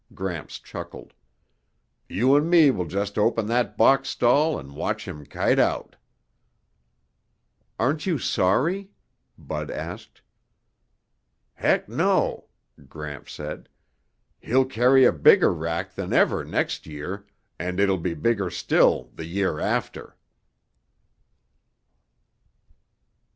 Gramps chuckled. "You 'n' me will just open that box stall and watch him kite out." "Aren't you sorry?" Bud asked. "Heck no," Gramps said. "He'll carry a bigger rack than ever next year, and it'll be bigger still the year after."